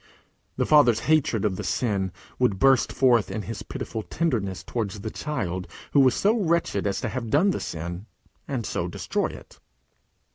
The father's hatred of the sin would burst forth in his pitiful tenderness towards the child who was so wretched as to have done the sin, and so destroy it.